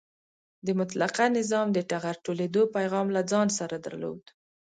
د مطلقه نظام د ټغر ټولېدو پیغام له ځان سره درلود.